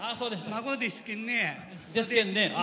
孫ですけんね。